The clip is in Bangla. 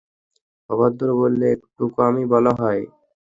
অভদ্র বললে একটু কমই বলা হয়।